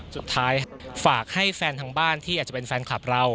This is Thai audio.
สุดท้ายฝากให้แฟนทางบ้านที่อาจจะเป็นแฟนคลับเรา